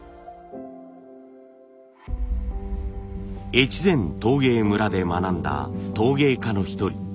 越前陶芸村で学んだ陶芸家の一人